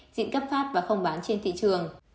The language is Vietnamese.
dịnh cấp pháp và không bán trên thị trường